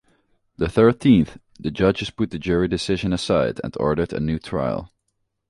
The thirteenth, the judges put the jury decision aside and ordered a new trial.